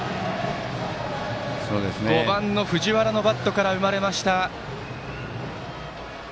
５番の藤原のバットから生まれました。